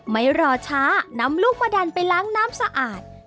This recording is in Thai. ไม่รอช้านำลูกมะดันไปล้างน้ำสะอาด